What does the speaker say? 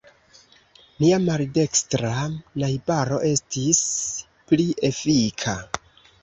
Nia maldekstra najbaro estis pli efika.